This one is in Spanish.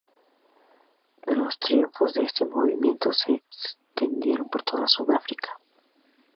Los triunfos de este movimiento se extendieron por toda Sudáfrica.